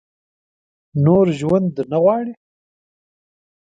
نور ژوند نه غواړي ؟